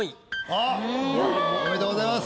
あっおめでとうございます。